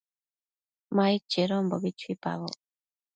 Ma aid chedonbo chuipaboc